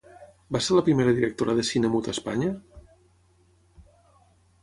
Va ser la primera directora de cine mut a Espanya?